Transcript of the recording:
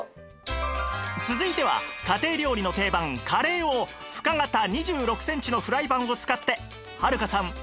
続いては家庭料理の定番カレーを深型２６センチのフライパンを使って春香さんどうぞ！